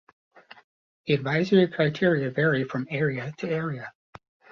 The advisory criteria vary from area to area.